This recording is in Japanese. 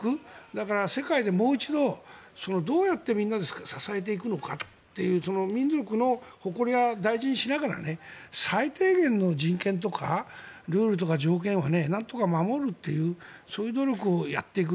だから、世界でもう一度どうやってみんなで支えていくのかっていう民族の誇りを大事にしながら最低限の人権とかルールをなんとか守るというそういう努力をやっていく。